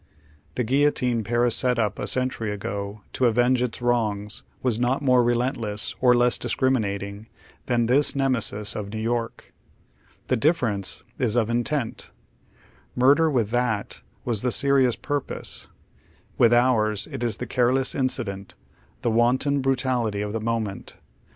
The guillotine Paris set up a century ago to avenge its wrongs was not more relentless, or less discriminating, than this ^Nemesis of New York. The difference is of intent. oy Google THE HAKVE8T OF TABES, 219 Murder with that was the serious purpose ; with ours it is the careless incident, the wanton brutality of the mo ment.